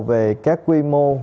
về các quy mô